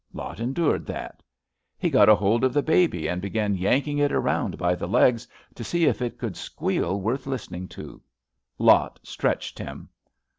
Lot endured that. He got a hold of 42 ABAFT THE FUNNEL the baby and began yanking it around by the legs to see if it could squeal worth listening to. Lot stretched him.